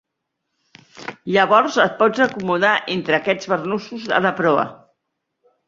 Llavors et pots acomodar entre aquests barnussos a la proa.